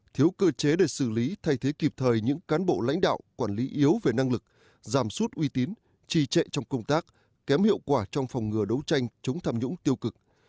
thiếu cơ chế để xử lý thay thế kịp thời những cán bộ lãnh đạo quản lý yếu về năng lực giảm suốt uy tín trì trệ trong công tác kém hiệu quả trong phòng ngừa đấu tranh chống tham nhũng tiêu cực